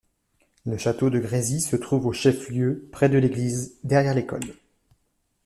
Le château de Grésy se trouve au chef-lieu, près de l'église, derrière l'école.